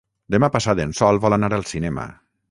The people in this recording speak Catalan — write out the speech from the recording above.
Demà passat en Sol vol anar al cinema.